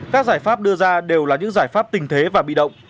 các giải pháp đưa ra đều là những giải pháp tình thế và bị động